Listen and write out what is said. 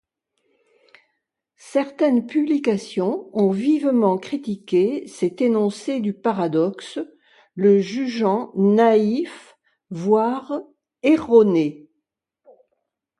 Certaines publications ont vivement critiqué cet énoncé du paradoxe, le jugeant naïf voire erroné.